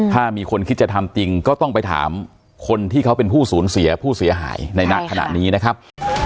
ถ้ามีคนคิดจะทำจริงก็ต้องไปถามคนที่เขาเป็นผู้สูญเสียผู้เสียหายในณขณะนี้นะครับ